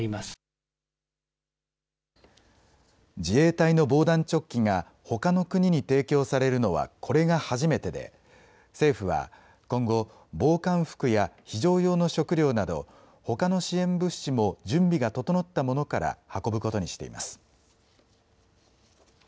自衛隊の防弾チョッキがほかの国に提供されるのはこれが初めてで政府は今後、防寒服や非常用の食料などほかの支援物資も準備が整ったものから運ぶことにしています。